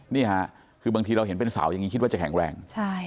นี่ค่ะคือบางทีเราเห็นเป็นเสาอย่างนี้คิดว่าจะแข็งแรง